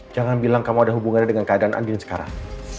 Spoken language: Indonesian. jangan bilang kamu ada hubungannya dengan keadaan andin sekarang